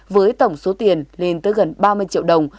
với tổng số tiền lên tới gần ba mươi triệu đồng